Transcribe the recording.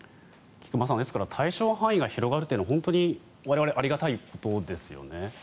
菊間さん、対象範囲が広がるというのは本当に我々ありがたいことですよね。